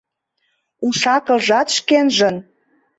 Уш-акылжат шкенжын.